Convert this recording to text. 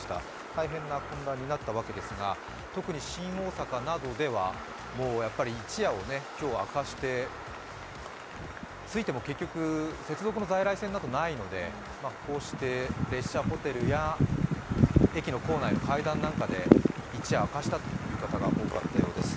大変な混乱になったわけですが特に新大阪などでは、一夜を明かして着いても結局接続の在来線などないのでこうして列車、ホテルや駅の構内の階段などで一夜を明かしたという方が多いようです。